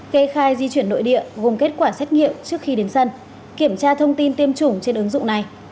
kê khai di chuyển nội địa vùng kết quả xét nghiệm trước khi đến sân kiểm tra thông tin tiêm chủng trên ứng dụng này